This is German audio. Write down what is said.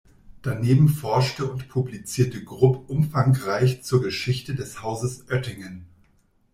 Daneben forschte und publizierte Grupp umfangreich zur Geschichte des Hauses Oettingen.